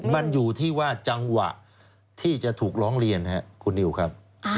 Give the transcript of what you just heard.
มันอยู่ที่ว่าจังหวะที่จะถูกร้องเรียนครับคุณนิวครับ